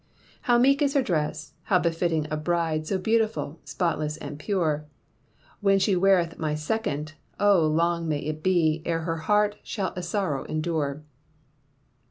How meek is her dress, how befitting a bride So beautiful, spotless, and pure! When she weareth my second, oh, long may it be Ere her heart shall a sorrow endure.